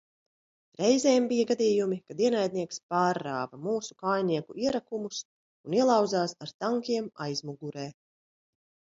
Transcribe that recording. Reizēm bija gadījumi, kad ienaidnieks pārrāva mūsu kājnieku ierakumus un ielauzās ar tankiem aizmugurē.